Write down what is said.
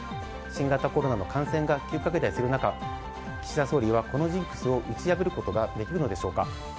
新型コロナの感染が急拡大する中岸田総理は、このジンクスを打ち破ることができるのでしょうか。